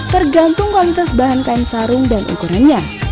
tergantung kualitas bahan kain sarung dan ukurannya